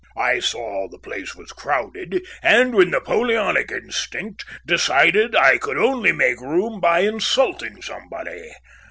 "I saw the place was crowded, and with Napoleonic instinct decided that I could only make room by insulting somebody.